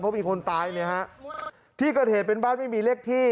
เพราะมีคนตายเนี่ยฮะที่เกิดเหตุเป็นบ้านไม่มีเลขที่